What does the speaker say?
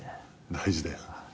大事だよ。